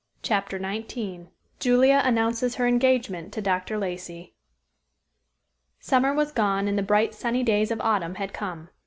CHAPTER XIX JULIA ANNOUNCES HER ENGAGEMENT TO DR. LACEY Summer was gone and the bright, sunny days of autumn had come.